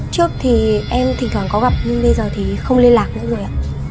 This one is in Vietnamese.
trước thì em thỉnh thoảng có gặp nhưng bây giờ thì không liên lạc với mọi người ạ